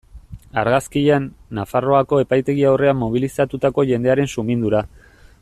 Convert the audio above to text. Argazkian, Nafarroako epaitegi aurrean mobilizatutako jendearen sumindura.